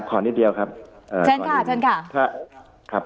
ขออีกนิดเดียวทันครับ